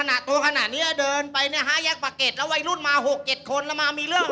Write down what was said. ในโตขณะนี้เดินไปเนี่ยใครแจกประเกศแล้วไว้รุ่นมา๖๗คนแล้วมามีร่าง